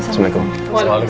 sebarang lagi ya